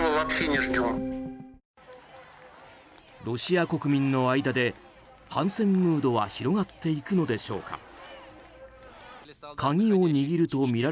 ロシア国民の間で反戦ムードは広がっていくのでしょうか。